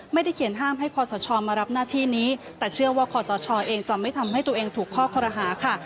ไม่ได้เขียนห้ามให้คอสชมารับหน้าที่นี้แต่เชื่อว่าคอสชเองจะไม่ทำให้ตัวเองถูกข้อคอรหาค่ะ